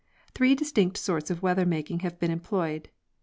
Three distinct sorts of weather making have been employed.